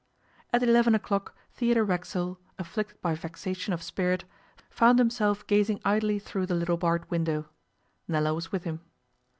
At eleven o'clock Theodore Racksole, afflicted by vexation of spirit, found himself gazing idly through the little barred window. Nella was with him.